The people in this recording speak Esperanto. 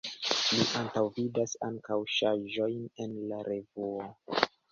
Li antaŭvidas ankaŭ ŝanĝojn en la revuo.